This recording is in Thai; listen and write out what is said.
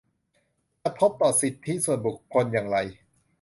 กระทบต่อสิทธิส่วนบุคคลอย่างไร